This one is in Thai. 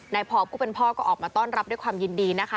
พอผู้เป็นพ่อก็ออกมาต้อนรับด้วยความยินดีนะคะ